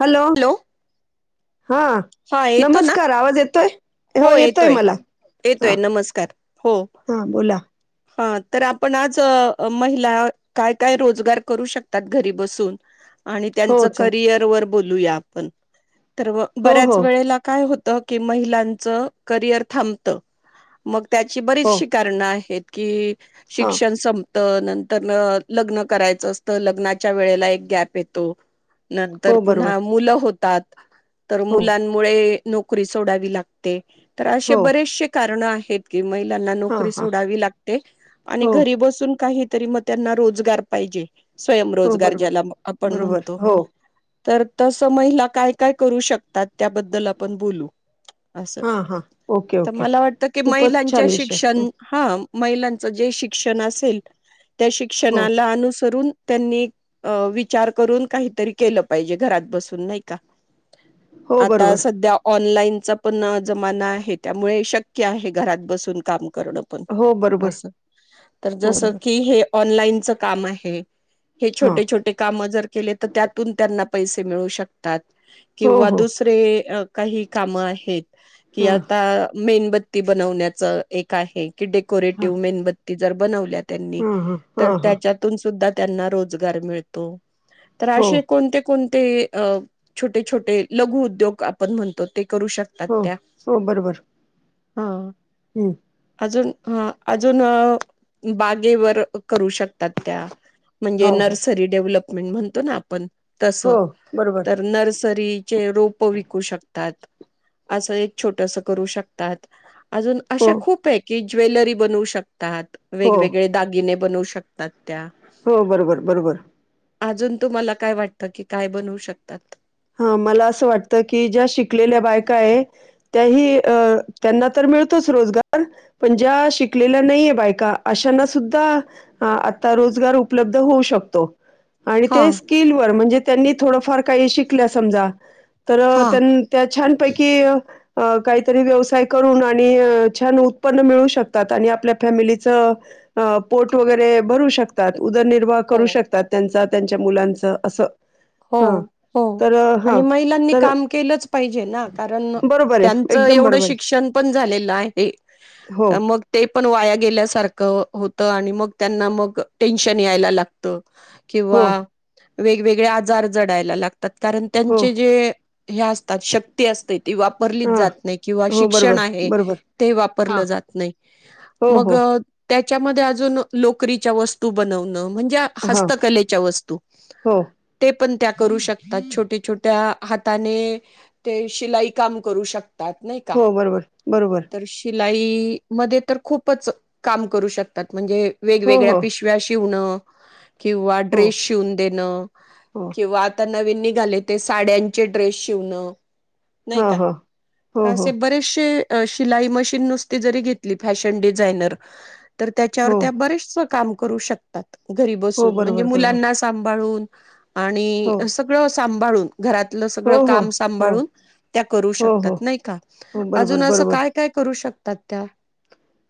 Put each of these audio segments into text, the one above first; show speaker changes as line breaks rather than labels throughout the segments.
Hello हा
हा येतो ना
नमस्कार! आवाज येतोय.
हो येतोय
हा
येतोय नमस्कार! हो
हा बोला
हा तर आपण आज महिला काय- काय रोजगार करू शकतात घरी बसून. आणि
हो
त्यांच
चल
करियर बोलूया आपण तर
हो हो
बऱ्याच वेळेला काय [unintelligible] महिलांचं करियर थांबत‌‌ मग त्यांची
हो
बरीचशी कारणं आहेत. की
हा
शिक्षण सम नंतर ना लग्न करायचं असतं लग्नांच्या वेळेला एक ग्याप येतो. नंतर
हो बरोबर
पुन्हा मुलं हो त्यात तर
हो
मुलांमुळे नोकरी सोडावी लागते. तर असे
हो
बरेचसे कारणं आहे [unintelligible] त्यांना
हां
नोकरी
हां
सोडावी ला आणि
हो
घरी बसून काहीतरी मग त्यांना रोजगार पाहिजे.
हो
स्वयंरोजगार
बरोबर
ज्याला आपण
बरोबर
म्हणतो.
हो
तर तस महिला काय काय करू शकतात त्याबद्दल आपण बोलू. असं
हां हां ओके
तर
ओके
मला वाटतं की
खूपच
महिलांच्या
छान विषय हं,
शिक्षण हा महिलां जे शिक्षण असेल त्या
हो
शिक्षणाला अनुसरून त्यांनी विचार करून काहीतरी केलं पाहिजे घरात बसून नाही का
हो
आता
बरोबर
सध्या ऑनलाईन चा पण जमाना आहे. त्यामुळे शक्य आहे. घरात बसून काम करणं
हो बरोबर
असं तर
हो
जस
बरोबर
की हे ऑनलाईनचं काम आहे. हे
हां
छोटे छोटे काम जर केले तर त्यातून त्यांना पैसे मिळू शकतात.
हो
किवा
हो
दुसरे काही काम आहेत की
हां
आता मेनबत्ती ती बनवण्याच एक आहे. की टेक
हां
कोेरेटिव्ह मेनबत्ती जर बनवल्या त्यांनी
हां हां
तर
हां हां
त्याच्यातून सुद्धा त्यांना रोजगार मिळतो. तर
हो
असे कोणते कोण ते अ छोटे छोटे लघु उद्योग आपण म्हणतो ते करू शकतात
हो
त्या
हो बरोबर.
हा.
हम्म.
अजून हं, अजून बागेवर करू शकतात त्या. म्हणजे
हो हो
नर्सरी डेव्हलप मेन म्हणतो ना आपण?
हो बरोबर.
सरीचे रोप विकू शकतात. असं एक छोटंसं करू शकतात. अजून
हो
अशा खूप आहे की, ज्वेलरी बनवू शकतात.
हो
वेगवेगळे दागिने बनवू शकतात. त्या
हो बरोबर बरोबर.
अजून तुम्हाला काय वाटतं, की काय बनवू शकतात?
हा मला असं वाटतं, की ज्या शिक कलेल्या बायका आहे त्याही अ त्यांना तर मिळतोच रोजगार. पण ज्या शिकलेल्या नाहीये बायका अशांनासुद्धा आता रोजगार उपलब्ध होऊ शकतो. आणि
हा
ते स्किलवर म्हणजे त्यांनी थोडंफार काही शि कल्या समजा. तर
हा.
त्यां त्या छानपैकी अ काहीतरी व्यवसाय करून आणि छान उत्पन्न मिळवू शकतात आणि आपल्या फॅमिलीचं पोट वगैरे भरू शकतात. उदरनिर्वाह करू
हो.
शकतात त्यांचा. त्यांच्या मुलांचं असं
हो
हां.
हो.
तर हा
आणि महिलांनी
तर
काम केलंच पाहिजे ना, कारण
बरोबर आहे
त्यांच
एकदम
एवढं
बरोबर आहे
शिक्षणपण झालेलं आहे.
हो
मग ते पण वाया गेल्यासारखं होतं आणि मग त्यांना मग टेन्शन यायला लागतं.
हो
किंवा वेगवेगळ्या जार जडायला लाग तात, कारण
हो
त्यांचे जे ह्या असतात शक्ती असते. ती वापरलीच
हां
जात नाही, किंवा
हो
शिक्षण
बरोबर
आहे,
बरोबर
ते
हां
वापरलं जात नाही
हो
मग
हो
त्याच्यामध्ये अजून लोकरीच्या वस्तू बनवणं म्हणजे
हां
हस्तकलेच्या वस्तू
हो
ते पण त्या करू शकतात. छोट्या छोट्या हाताने ते शिलाई काम करू शक
हो बरोबर, बरोबर.
लाई मध्ये तर खूपच काम करू शकतात. म्हणजे
हो
वेगवेगळ्या
हो
पिशव्या शिवणं [inaudible] किंवा
हो
ड्रेस शिवून देणं.
हो
किंवा आता नवीन निघाले ते साड्यांचे ड्रेस शिवणं नाही
हां
का
हां
तर
हो हो
असे बरेचसे शिलाई मशीन नुसती जरी घेतली फॅशन डिझायनर तर त्याच्यावर
हो
त्या बरेचस काम करू शकतात. घरी
हो
बसून म्हणजे
बरोबर बरोबर
मुलांना सांभाळून आणि
हो
सगळं असं सांभाळून घरातलं
हो
सगळं
हो
काम
हो
सांभाळून त्या करू
हो हो
शकतात, नाही का
हो बरोबर
अजून असं
बरोबर
काय काय करू शक तात त्या?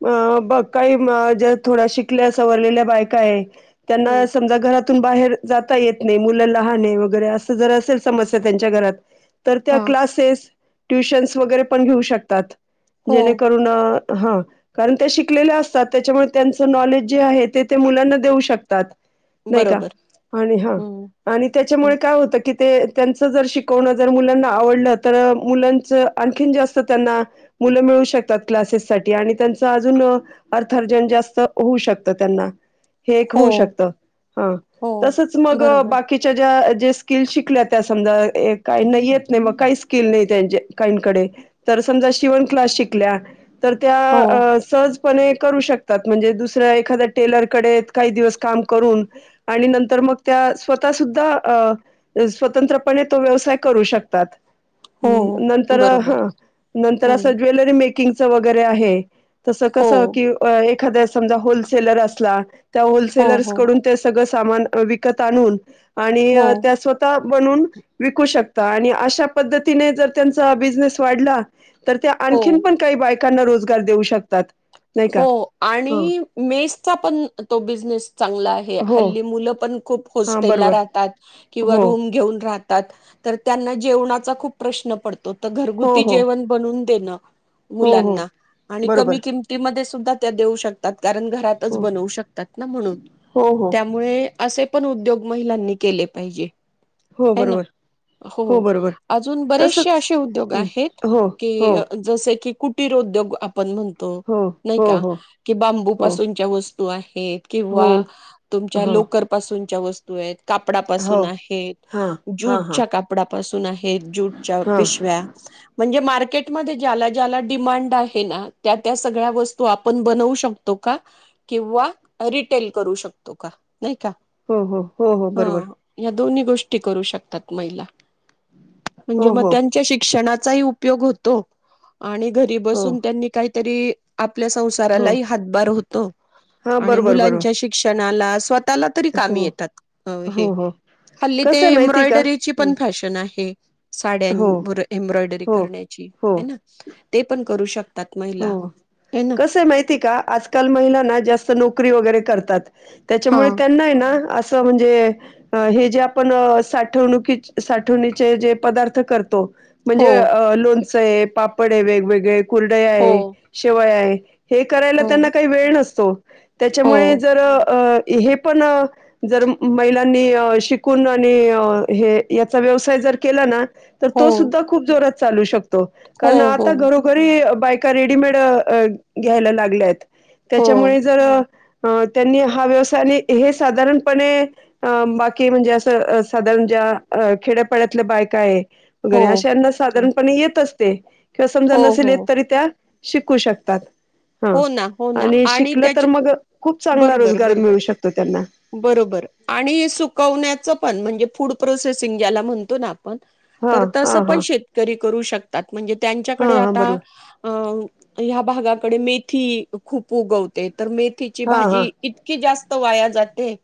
अ बघ काही ज्या थोड्या शिकल्या सवरलेल्या बायका आहे त्यांना
हम्म.
समजा घरात तून बाहेर जात येत नाही मुल लहान आहे वगैरे अस जर असेल समस्या त्यांच्या घरात तर त्या
हा
क्लासेस ट्युशन्स वगैरे पण घेऊ शकतात.
हो
जेणेकरून हा. कारण ते शिकलेल्या असतात तेच्यामुळे त्यांचं नॉलेज जे आहे ते ते मुलांना देऊ शकतात. नाही का
बरोबर
आणि हा
हम्म
आणि तेच्यामुळे
हम्म
काय होत कि ते त्यांच जर शिकवण जर मुलांना आवडल तर, मुलांचा आणखिन जास्त त्यांना मुल मिळू शकतात, क्लासेससाठी आणि त्याच अजून अर्थार्जन जास्त होऊ शकत त्यांना हे एक
हो
होऊ शकत, हा
हो
तसच मग
बरोबर
बाकीच्या ज्या जे स्किल् शिकल्या त्या समजा येत काहीना येत नाही मग काही स्किल नाही काहीकडे तर समजा शिवण क्लास शिकल्या तर
हो
त्या सहजपणे करू शकतात म्हणजे दुसऱ्या एखाद्या टेलरकडे काही दिवस काम करून आणि नंतर मग त्या स्वतः सुद्धा अ स्वतंत्रपणे तो व्यवसाय करू शकतात.
हो
नंतर
बरोबर
हा नंतर अस
हम्म
ज्वेलरी मेक कुकिंग चं वगैरे आहे. तसं
हो
कसं की एक एखाद समजा होलसेलर असला त्या
हो
होलसेलर्स
हो
कडून ते सगळ सामान विकत आणून आणि
हो
त्या स्वतः बनून विकू शकता आणि अशा पद्धतीने जर त्यांचा बिझनेस वाढला तर त्या
हो
आणखीन पण काही बायका करना रोज काय देऊ शकतात.
हो
ह
आणि मेसचा पण तो बिनेस चांगला आहे
हो
हल्ली मुलं पण खूप
हा
हॉस्टेलला
बरोबर
राहतात किवा
हो
रूम घेऊन राह तात. तर त्यांना जेवणाचा खूप प्रश्न पड तो तर
हो
घरगुती
हो हो
जेवण बनवून देनं.
हो हो.
मुलांना आणि
बरोबर
कमी किमती सुधा त्या देऊ शकतात. कारण घरातच
हो
बनवू शकतात ना म्हणून
हो हो
त्यामुळे असे पण उद्योग महिलांनी केले पाहिजे.
हो
हाय ना.
बरोबर
हो अजून बरेचसे
तसच
असे उद्योग
हम्म
आहेत
हो हो
की जसे की कुटीरो उद्योग आपण म्हणतो.
हो
नाही
हो
का
हो
की बांबू
हो हो
पासूनच्या वस्तू तोय हेत.
हो
किंवा तुमच्या
हो
लोकर पासून च्या वस्तू आहेत.
हा
कापडापासून आहेत,
हा हा
जूटच्या कापडा पासून आहे. हेत जूटच्या
हा
पिशव्या म्हणजे मार्केटमध्ये ज्याला ज्याला डिमांड आहे ना त्यात त्या सगळ्या वस्तू आपण बनवू शकतो का, किंवा रिटेल करू शकतो का. नाही का
हो हो हो हो
ह
बरोबर
या दोन्ही गोष्टी करू शकतात महिला. म्हणजे
हो
मग
हो
त्यांच्या शिक्षणात चाही उपयोग होतो. आणि घरी
हो
बसून त्यांनी काही तरी आप ल्या संसाराला
हो
हातभार होतो
हा
आणि
बरोबर
मुलांच्या
बरोबर
शिक्ष नाला स्वत ताला तरी
हो
कामी येतात. हे
हो हो
हल्ली ते
कसं आहे माहिती आहे का
एम्ब्रॉयडरीची
हं.
पण फॅशन आहे.
हो
साड्यांवर एम्ब्रॉयडरी
हो
करण्याची
हो
आहे ना. ते पण करू शकतात.
हो
महिला है ना
कस माहिती का आजकाल महिलांना जास्त नोकरी वगैरे करतात.
हा
त्याच्यामुळे त्यांना ना अस म्हणजे हे जे आपण साठवणुकी साठवणीचे जे पदार्थ करतो.
हो
म्हणजे अ लोन चे पापड आहे वेगवेगळे ड
हो
आहे, शेवय आहे. हे करायला
हो
त्यांना काही वेळ नसतो.
हो
त्याच्यामुळे जर अ हे पण जर महिलांनी शिकून आणि हे याचा व्यवसाय जर केला ना. तर
हो
तो सुद्धा खूप जोरात चालू शक तो.
हो
कारण
हो
आता घरोघरी बायका रेडीमेड घ्यायला लागल्यात. त्याच्यामुळे
हो
जर अ त्यांनी हा व्यवसाय हे साधारणपणे बाकी म्हणजे असं साधारण ज्या खेड्यापाड्यातल्या बायका आहे. गरीब अशयानां साधारण पण येत असते. किंवा समजा
हो
नसेल.
हो
येत शिकु शकतात. हा
हो ना हो ना आणि
शिकलं तर
त्याच्या
मग खूप चांगला
बरोबर
रोजगार
बरोबर
मिळू शकतो त्यांना
बरोबर आणि सुवण्याचं पण म्हणजे फूड प्रोसेसिंग ज्याला म्हनतो ना. पण
हा
तर
हा
तसं पण
हा
शेतकरी करू शकतात म्हणजे
हा
त्यांच्याकडे अ
हा
आता
बरोबर
या भागाकडे मीठ की खूप उगवते. तर मेथीची
हा हा
भाजी इतकी जास वाया जाते.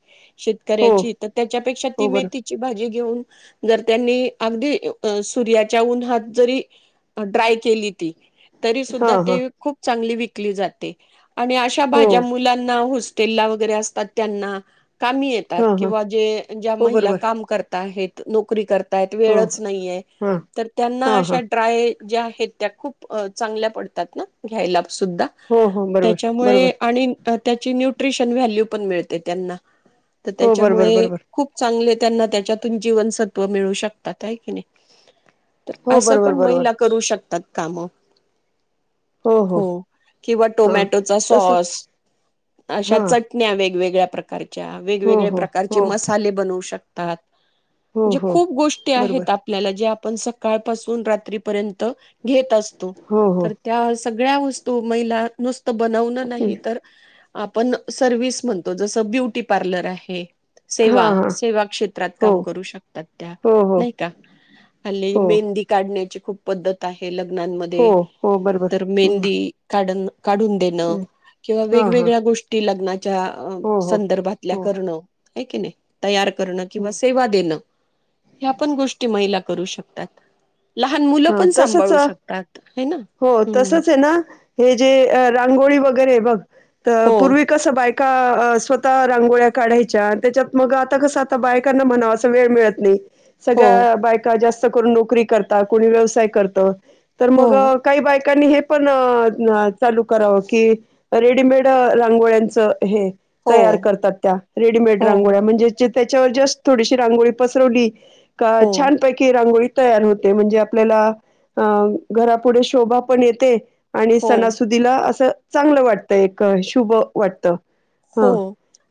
हो
शेतकऱ्याची त त्याच्यापेक्षा ती
हो बरोबर
मेथीची भाजी घेऊन जर त्यांनी अगदी सूर्याच्या उन्हात जरी ड्राय केली ती तरी
हा
सुद्धा
हा
ते खूप चांगली विक ली जाते. आणि अशा
हो
भाज्या मुलांना होस टेला वगैरे असतात त्यांना कामी येतात.
हा हा
किंवा जे ज्या
हो
महिला
बरोबर
काम कर. आहेत, नोकरी कर त आहेत.
हो
वेळच नाहीेये
हा
तर त्यांना
हा हा
अशा ड्राय ज्या आहेत त्या खूप चांगल्या पडतात ना, घ्यायला सुद्धा.
हो हो बरोबर बरोबर
त्याच्यामुळे आणि त्याची न्यूट्रिशन व्हॅल्यू पण मिळते त्यांना. तर
हो बरोबर
त्याच्यामुळे
बरोबर
खूप चांगले त्यांना त्याच्यातून जीवनसत्व मिळू शकतात. हाय की नाही. तर
हो
असं
बरोबर
पण
बरोबर
महिला करू शकतात. काम.
हो हो.
किंवा
हा
टोमॅटोचा
तसच
सॉस अशा
हा
चटण्या वे वेगवेगळ्या प्रकारे.
हो
वेगवेगळ्या
हो
प्रकारचे
हो
मसाले बनवू शक तात.
हो
जे
हो
खूप गोष्टी
बरोबर
आहेत आपल्याला जे आप पण सकाळ पाासून रात्रीपर्यंत घेत असतो.
हो हो
तर त्यास सगळ्या वस्त तो महिला नुस बनवन नही तर आपण सर्व्हिस म्हणतो. जसं ब्युटी पार्लर आहे.
हा
सेवा
हा
सेवा क्षेत्रात
हो
काम करू शकतात त्या
हो हो
नाही का, हल्ली
हो
मेहंदी काढण्याची खूप पद्धत आहे. हे
हो
लग्नांमध्ये.
हो बरोबर
तर
हम्म
मेहंदी काढून काढून देणं
हम्म
किंवा
हा हा
वेगवेगळ्या गोष्टी लग्ना च्या
हो हो
संदर्भातल्या
हो
करणं आहे की नाही तयार. करणं किंवा सेवा देणं, ह्या पण गोष्टी महिला करू शकतात. लहान मुलं
हा
पण सांभाळू
तसच
शकतात हय ना.
हो तसंच आहे ना हे जे रांगोळी वगैरे बघ तर
हो
पूर्वी कस बाय का स्वतः रांगोळ्या काढायच्या आणि त्याच्यात मग आता कसं आता बायकांना म्हणावा अस वेळ मिळत नाही.
हो
सगळ्या बायका जास्त स्त करून नोकरी करतात. कोणी व्यवसाय करत. तर
हो
मग काही बायक कनी हे पण चालू करावं की रेडीमेड रांगोळ्यांच हे तयार
हो
करतात त्या, रेडीमेड
हो
रांगोळ्या म्हणजे त्याच्यावर जस्ट थोडीशी रांगोळी पसरवली का
हो
छानपैकी रांगोळी तयार होते. म्हणजे आप आपल्याला घरा पुुढे शोभा पण येते. आणि
हो
सणासुदीला असं चांगलं वाटतं एक शुभ वाटत.
हो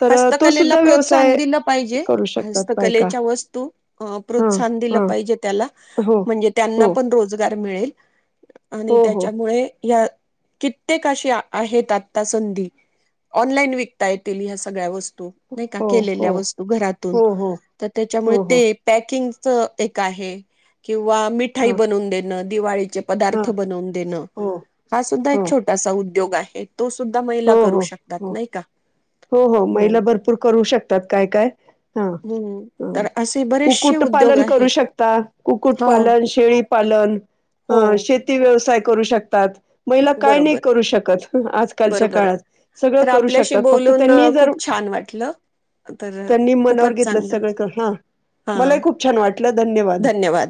हस्तकलेला प्रोत्साहन
व्यवसाय
दिलं पाहिजे.
करू शकतात बायका
हस्तकलेच्या वस्तू
हां
प्रोत्साहन दिलं
हां
पाहिजे त्याला
हो.
म्हणजे
हो
त्यांना पण रोज गार मिळेल. आणि
हो हो
त्याच्यामुळे या कित्येक अशी आहेत आता संधी. ऑनलाईन वि कता येतीली ह्या सगळ्या वस्तू नाही का
हो हो
केलेल्या वस्तू घरातून
हो हो
तर त्याच्यामुळे
हो हो
ते पॅकिंग च एक आहे किं वा मिठाई
हां
बनवून देणं. दिवाळी चे
हां
पदार्थ बनवून देण
हो
हा सुद्धा एक
हो
छोटासा उद्योग आहे. तो सुद्धा महिला
हो
करू
हो
शकतात
हो
नाही का?
हो हो महिला भरपूर करू शकतात. काय काय
हम्म तर
ह
असे बरेचसे
कुक्कुट
उद्योग
पालन करू
आहेत
शकता कुक्कुट
हो
पालन, शेळीपालन,
हो
शेती व्यवसाय करू शकतात. महिला काय नाही
बरोबर
करू शकत आज कालच्या
बरोबर
काळात सगळं
तर
करू
आपल्याशी
शकतात. फक्त
बोलून
त्यांनी
अ,
जर
खूप छान वाटलं तर
त्यांनी मनावर
खूपच
घेतलं
चांगलं
सगळं कर हा
हा
मलाही खूप छान वाटलं धन्यवाद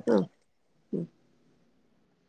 हा [inaudible]